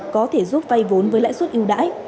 có thể giúp vay vốn với lãi suất yêu đãi